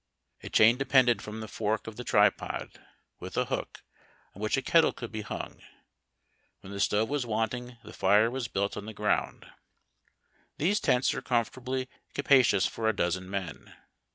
A chain depended from the fork of the tripod, with a hook, on which a kettle could be hung ; when the stove was wanting the fire was built on the ground. These tents are comfortably capacious for a dozen men.